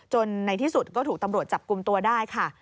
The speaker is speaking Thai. ในที่สุดก็ถูกตำรวจจับกลุ่มตัวได้ค่ะ